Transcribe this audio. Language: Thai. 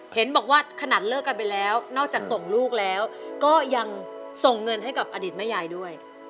เห็นบอกว่าขนาดเลิกกันไปแล้วนอกจากส่งลูกแล้วก็ยังส่งเงินให้กับอดีตแม่ยายด้วย